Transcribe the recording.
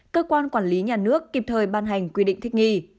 cơ quan quản lý nhà nước kịp thời ban hành quy định thích nghi